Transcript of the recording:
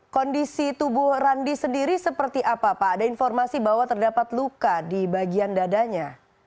kondisi tubuh randi sendiri seperti apa pak ada informasi bahwa terdapat luka di bagian dadanya